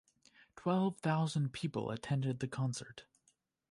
Twelve thousand people attended the concert.